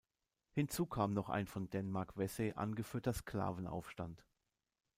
Hinzu kam noch ein von Denmark Vesey angeführter Sklavenaufstand.